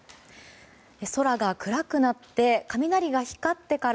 空が暗くなって雷が光ってから